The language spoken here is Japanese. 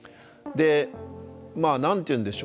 まあ何て言うんでしょうね